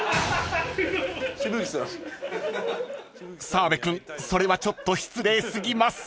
［澤部君それはちょっと失礼過ぎます］